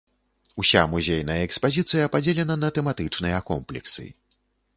Уся музейная экспазіцыя падзелена на тэматычныя комплексы.